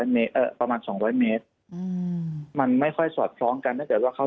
๒๐๐เมตรประมาณ๒๐๐เมตรมันไม่ค่อยสอดพร้อมกันถ้าเกิดว่าเขา